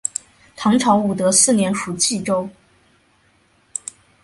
唐朝武德四年属济州。